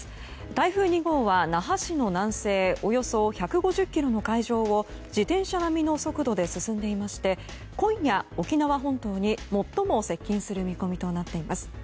台風２号は那覇市の南西およそ１５０ｋｍの海上を自転車並みの速度で進んでいまして今夜、沖縄本島に最も接近する見込みとなっています。